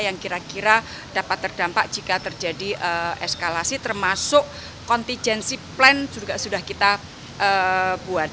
yang kira kira dapat terdampak jika terjadi eskalasi termasuk contingency plan juga sudah kita buat